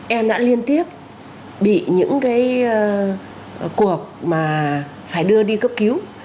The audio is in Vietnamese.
em đã liên tiếp bị những cái cuộc mà phải đưa đi cấp cứu